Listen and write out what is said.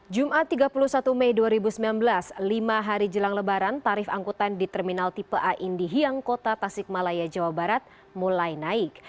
jumat tiga puluh satu mei dua ribu sembilan belas lima hari jelang lebaran tarif angkutan di terminal tipe a indi hiang kota tasik malaya jawa barat mulai naik